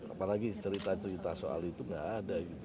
apalagi cerita cerita soal itu nggak ada gitu